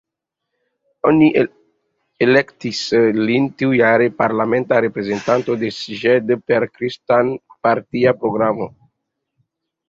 Oni elektis lin tiujare parlamenta reprezentanto de Szeged, per kristan-partia programo.